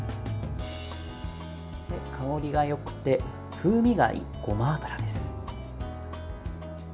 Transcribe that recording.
香りがよくて、風味がいいごま油です。